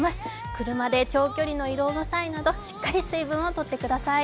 車で長距離の移動の際など、しっかり水分をとってください。